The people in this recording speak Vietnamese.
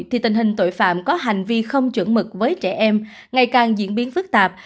thì tình hình tội phạm có hành vi không chuẩn mực với trẻ em ngày càng diễn biến phức tạp